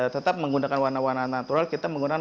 tetap menggunakan warna warna natural kita menggunakan